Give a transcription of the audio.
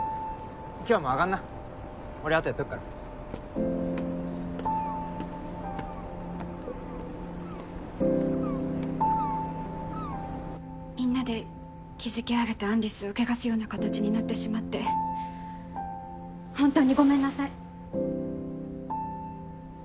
今日はもう上がんな俺あとやっとくからみんなで築き上げたアン・リスを汚すような形になってしまってホントにごめんなさい